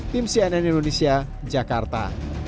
tim cnn indonesia jakarta